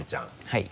はい。